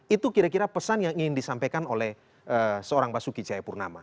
itu kira kira pesan yang ingin disampaikan oleh seorang basuki cahayapurnama